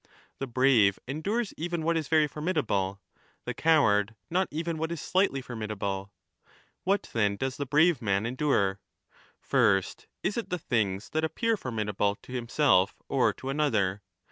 The brave endures even what is very formidable, the coward not even what is slightly formidable. What, then, does the brave man lo endure? First, is it the things that appear formidable to himself or to another